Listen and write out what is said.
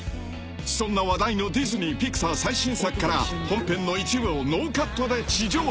［そんな話題のディズニー・ピクサー最新作から本編の一部をノーカットで地上波初放送］